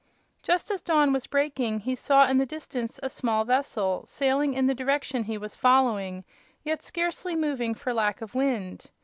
Just as dawn was breaking he saw in the distance a small vessel, sailing in the direction he was following, yet scarcely moving for lack of wind.